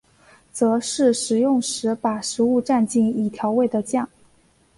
则是食用时把食物蘸进已调味的酱。